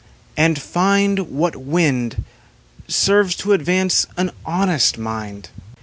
And find What wind Serves to advance an honest mind.